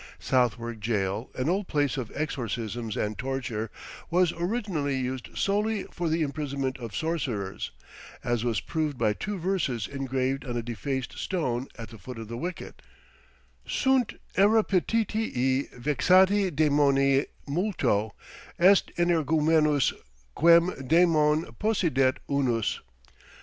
Southwark Jail, an old place of exorcisms and torture, was originally used solely for the imprisonment of sorcerers, as was proved by two verses engraved on a defaced stone at the foot of the wicket, Sunt arreptitii, vexati dæmone multo Est energumenus, quem dæmon possidet unus.